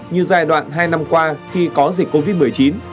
như giai đoạn hai năm qua khi có dịch covid một mươi chín